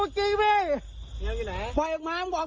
จริงครับ